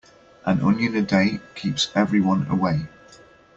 An onion a day keeps everyone away.